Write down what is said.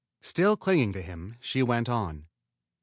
Still clinging to him, she went on.